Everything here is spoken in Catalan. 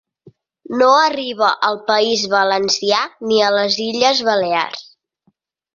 No arriba al País Valencià ni a les Illes Balears.